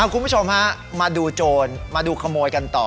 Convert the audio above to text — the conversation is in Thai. คุณผู้ชมฮะมาดูโจรมาดูขโมยกันต่อ